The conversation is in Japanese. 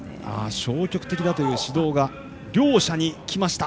消極的だという指導が両者にきました。